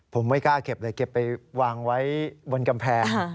ผมไม่กล้าเก็บเลยเก็บไปวางไว้บนกำแพง